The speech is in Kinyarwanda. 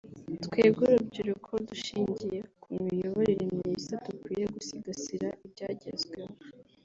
twebwe urubyiruko dushingiye ku miyoborere myiza dukwiye gusigasira ibyagezweho